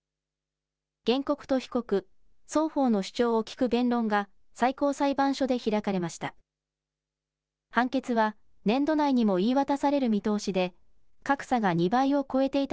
原告と被告、双方の主張を聞く弁論が最高裁判所で開かれました。